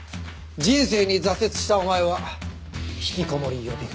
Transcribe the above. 人生に挫折したお前はひきこもり予備軍。